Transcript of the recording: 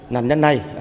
nàn nhân này